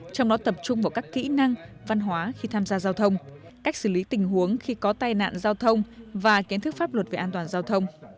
trong đó tập trung vào các kỹ năng văn hóa khi tham gia giao thông cách xử lý tình huống khi có tai nạn giao thông và kiến thức pháp luật về an toàn giao thông